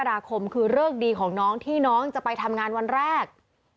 ราคมคือเลิกดีของน้องที่น้องจะไปทำงานวันแรก